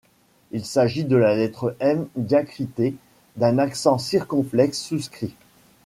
Il s’agit de la lettre M diacritée d’un accent circonflexe souscrit.